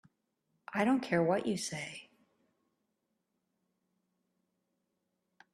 I don't care what you say.